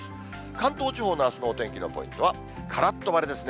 関東地方のあすのお天気のポイントは、からっと晴れですね。